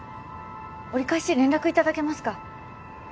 折り返し連絡いただけますか？